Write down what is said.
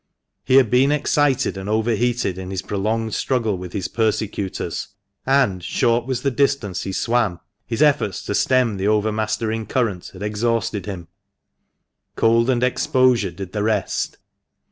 He had been excited and over heated in his prolonged struggle with his persecutors, and, short as was the distance he swam, his efforts to stem the overmastering current had exhausted him, Cold and exposure did the rest.